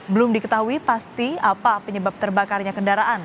belum diketahui pasti apa penyebab terbakarnya kendaraan